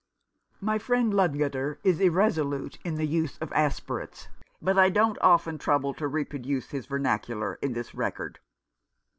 " My friend Ludgater is irresolute in the use of aspirates, but I don't often trouble to reproduce his vernacular in this record.